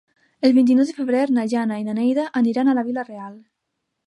El vint-i-nou de febrer na Jana i na Neida aniran a Vila-real.